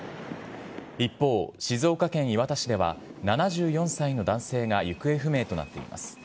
一方、静岡県磐田市では、７４歳の男性が行方不明となっています。